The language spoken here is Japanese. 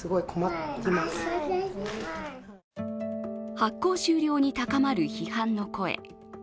発行終了に高まる批判の声